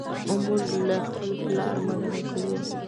موږ له خپل پلار مننه کوو.